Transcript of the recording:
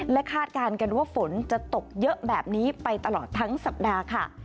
และคาดการณ์กันว่าฝนจะตกเยอะแบบนี้ไปตลอดทั้งสัปดาห์ค่ะ